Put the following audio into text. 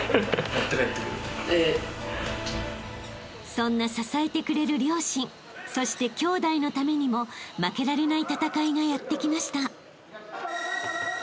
［そんな支えてくれる両親そして兄弟のためにも負けられない戦いがやって来ました］